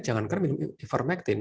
jangan kan minum ivermectin